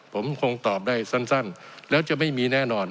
ผมคงตอบได้สั้นแล้วจะไม่มีแน่นอน